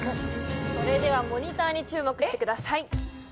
それではモニターに注目してください